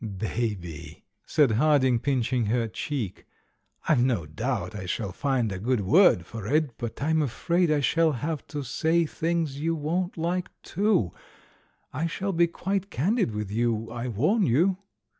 "Baby!" said Harding, pinching her cheek; "I've no doubt I shall find a good word for it, but I'm afraid I shall have to say things you won't like, too. I shall be quite candid with you, I warn you."